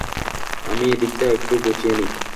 আমি এদিকটা একটু গুছিয়ে নি।